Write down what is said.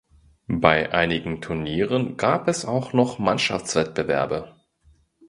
Bei einigen Turnieren gab es auch noch Mannschaftswettbewerbe.